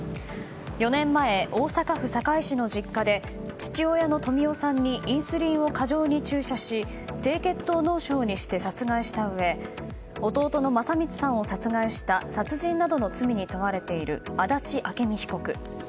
４年前、大阪府堺市の実家で父親の富夫さんにインスリンを過剰に注射し低血糖脳症にして殺害したうえ弟の聖光さんを殺害した殺人などの罪に問われている足立朱美被告。